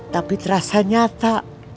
tapi terasa nyata